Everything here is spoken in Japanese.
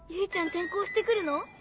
転校してくるの？